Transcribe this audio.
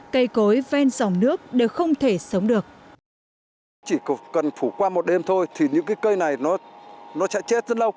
cây cối ven dòng nước đều không thể sống được